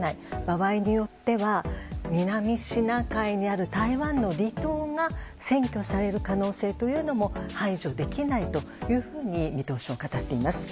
場合によっては南シナ海にある台湾の離島が占拠される可能性も排除できないというふうに見通しを語っています。